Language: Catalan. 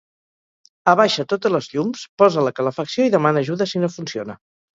Abaixa totes les llums, posa la calefacció i demana ajuda si no funciona